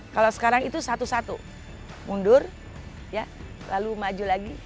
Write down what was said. kalau sekarang itu satu satu mundur ya lalu maju lagi